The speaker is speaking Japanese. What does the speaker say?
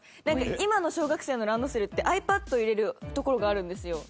今の小学生のランドセルってｉＰａｄ入れるところがあるんですよ。